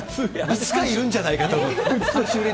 いつかいるんじゃないかと思って。